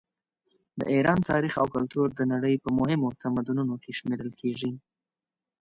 د ایران تاریخ او کلتور د نړۍ په مهمو تمدنونو کې شمېرل کیږي.